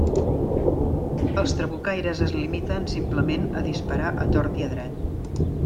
Els trabucaires es limiten simplement a disparar a tort i a dret.